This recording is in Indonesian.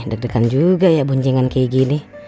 deg deg degan juga ya boncengan kaya gini